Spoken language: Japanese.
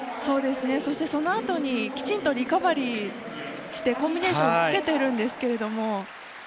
そして、そのあとにきちんとリカバリーしてコンビネーションをつけてるんですけれども。